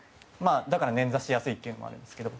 だから、捻挫しやすいというのもあるんですけど。